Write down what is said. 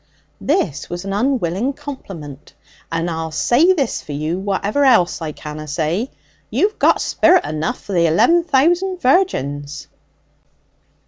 This was an unwilling compliment. 'And I'll say this for you, whatever else I canna say, you've got sperit enough for the eleven thousand virgins!'